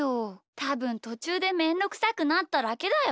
たぶんとちゅうでめんどくさくなっただけだよ。